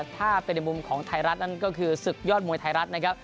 ถ้าเป็นในมุมของไทยรัฐนั่นก็คือศึกยอดมวยไทยรัฐนะครับ